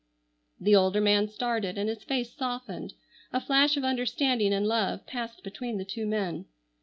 The older man started and his face softened. A flash of understanding and love passed between the two men.